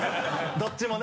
どっちもね？